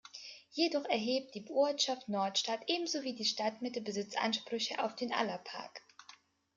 Jedoch erhebt die Ortschaft Nordstadt ebenso wie die Stadtmitte Besitzansprüche auf den Allerpark.